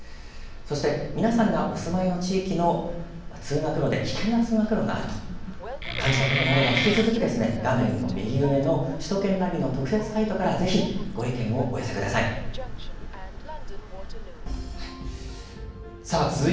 そして皆さんがお住まいの地域の通学路で危険な通学路があると感じたことがあれば引き続き画面の右上の首都圏ナビの特設サイトからぜひご意見をお寄せください。